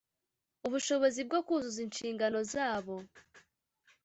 ubushobozi bwo kuzuza inshingano zabo